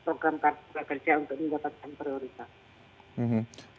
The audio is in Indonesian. program kartu prakerja untuk mendapatkan prioritas